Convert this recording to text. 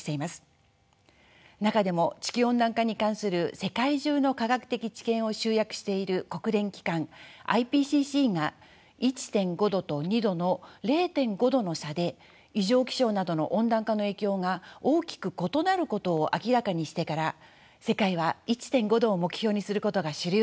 中でも地球温暖化に関する世界中の科学的知見を集約している国連機関ＩＰＣＣが１．５度と２度の０．５度の差で異常気象などの温暖化の影響が大きく異なることを明らかにしてから世界は１．５度を目標にすることが主流となりました。